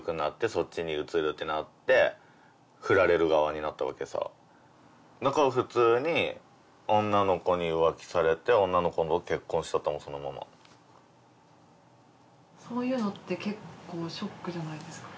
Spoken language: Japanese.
そっちに移るってなってフラれる側になったわけさだから普通に女の子に浮気されて女の子と結婚しちゃったもんそのままそういうのって結構ショックじゃないですか？